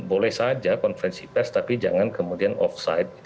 boleh saja konferensi pers tapi jangan kemudian offside